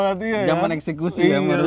ingat zaman eksikusi